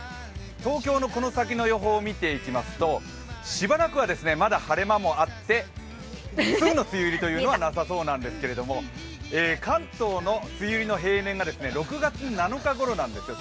東京のこの先の予報を見ていきますとしばらく晴れ間もあってすぐ梅雨入りというのはなさそうなんですけど関東の梅雨入りの平均が６月７日頃なんですよ。